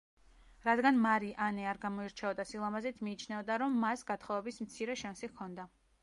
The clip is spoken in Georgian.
რადგან მარი ანე არ გამოირჩეოდა სილამაზით მიიჩნეოდა, რომ მას გათხოვების მცირე შანსი ჰქონდა.